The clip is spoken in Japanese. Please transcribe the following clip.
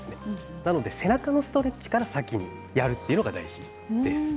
なので背中のストレッチから先にやるというのが大事です。